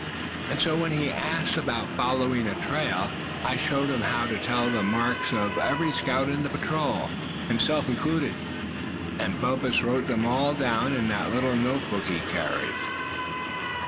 And so, when he asked about following a trail, I showed him how to tell the marks of every scout in the patrol, himself included. And Bumpus wrote them all down in that little notebook he carries."